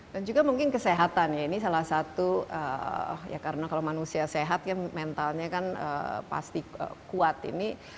dan juga mungkin kesehatan ya ini salah satu ya karena kalau manusia sehat ya mentalnya kan pasti kuat ini